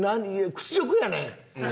屈辱やねん！